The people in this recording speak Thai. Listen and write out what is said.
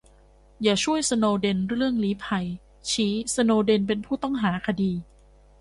อย่าช่วยสโนว์เดนเรื่องลี้ภัย ชี้สโนว์เดนเป็นผู้ต้องหาคดี